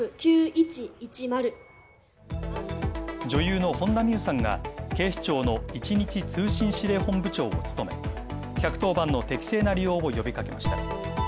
女優の本田望結さんが警視庁の一日通信指令本部長を務め、１１０番の適正な利用を呼びかけました。